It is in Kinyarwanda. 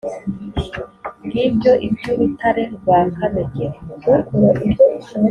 ngibyo iby'urutare rwa kamegeri